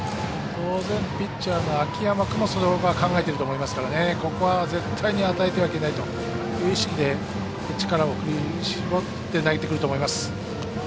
当然、ピッチャーの秋山君も、それを考えていると思いますからここは絶対に与えてはいけないという意識で力を絞って投げてくると思います。